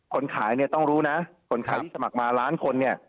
คนขายต้องรู้นะคนขายที่สมัครมาล้านคน